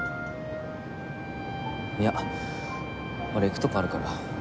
いや俺行くとこあるから。